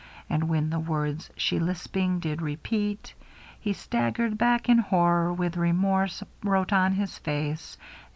And when the words she lisping did repeat. He staggered back in horror with remorse wrote on his fiice.